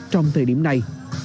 trong thời điểm này